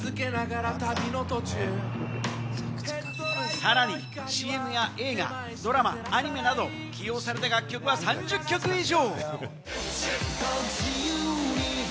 さらに、ＣＭや映画、ドラマ、アニメなど、起用された楽曲は３０曲以上。